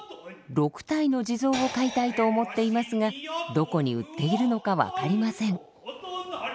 ６体の地蔵を買いたいと思っていますがどこに売っているのか分かりません。